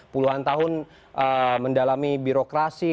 puluhan tahun mendalami birokrasi